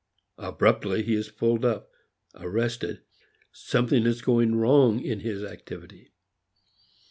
Abruptly he is pulled up, arrested. Something is going wrong in his activity.